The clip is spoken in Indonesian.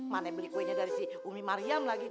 mana beli kuenya dari si umi mariam lagi